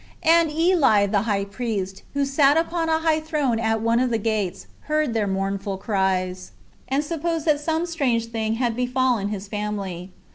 And Eli, the high priest, who sat upon a high throne at one of the gates, heard their mournful cries, and supposed that some strange thing had befallen his family.